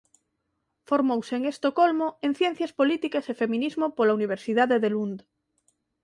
Formouse en Estocolmo en ciencias políticas e feminismo pola Universidade de Lund.